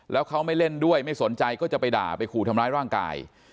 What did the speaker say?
แล้วเขาไม่เล่นด้วยไม่สนใจก็จะไปด่าไปขู่ทำร้ายร่างกาย